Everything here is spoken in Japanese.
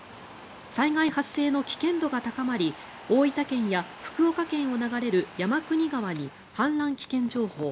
災害発生の危険度が高まり大分県や福岡県を流れる山国川に氾濫危険情報